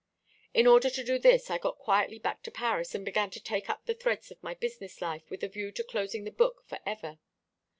In order to do this I got quietly back to Paris, and began to take up the threads of my business life with a view to closing the book for ever.